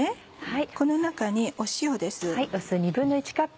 この中に塩です。